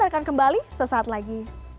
akan kembali sesaat lagi